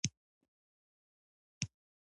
د لوبیا دانه د څه لپاره وکاروم؟